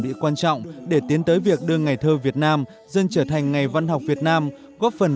địa quan trọng để tiến tới việc đưa ngày thơ việt nam dân trở thành ngày văn học việt nam góp phần